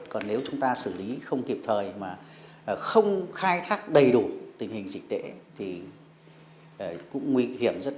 còn nếu chúng ta xử lý không kịp thời mà không khai thác đầy đủ tình hình dịch tễ thì cũng nguy hiểm rất